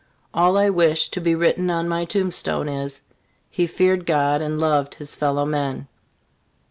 All I wish to be written on my tomb stone is, "He feared God and loved his fellow men."